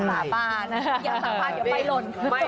หลาปลานเดี๋ยวไปลน